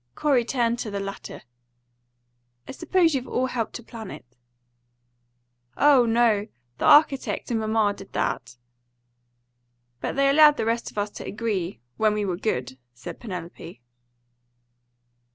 Corey turned to the latter. "I suppose you've all helped to plan it?" "Oh no; the architect and mamma did that." "But they allowed the rest of us to agree, when we were good," said Penelope.